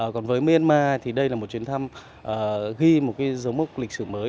còn với myanmar thì đây là một chuyến thăm ghi một cái dấu mốc lịch sử mới